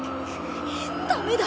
ダメだ！